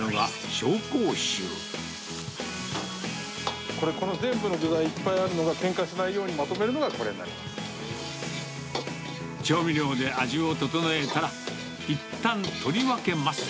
と、これ、この全部の具材、いっぱいあるのが、けんかしないようにまとめるのが、これになり調味料で味を調えたら、いったん取り分けます。